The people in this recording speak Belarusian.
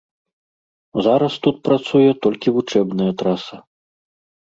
Зараз тут працуе толькі вучэбная траса.